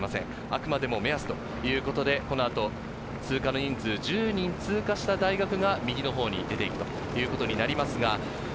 あくまでも目安ということで、このあと通過の人数、１０人通過した大学が右のほうに出て行くということになります。